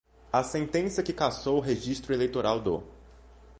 a sentença que cassou o registro eleitoral do